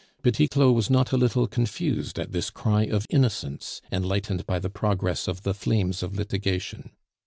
Petit Claud was not a little confused at this cry of innocence enlightened by the progress of the flames of litigation.